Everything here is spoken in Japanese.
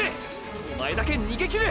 おまえだけ逃げ切れ！！